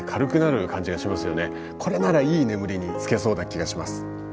これならいい眠りにつけそうな気がします。